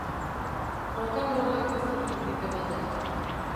Rockanrollak ez du dirurik ematen.